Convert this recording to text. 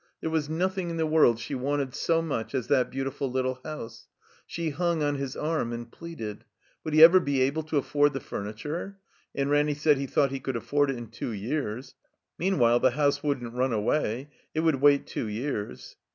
There was nothing in the world she wanted so much as that beautiful little house. She htmg on his arm and pleaded. Would he ever be able to afford the furniture? And Ranny said he thought he could afford it in two years. Meanwhile the house wouldn't run away. It would wait two years.